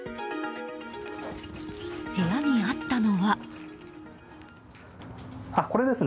部屋にあったのは。